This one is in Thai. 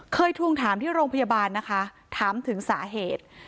ทวงถามที่โรงพยาบาลนะคะถามถึงสาเหตุ